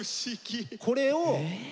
これを。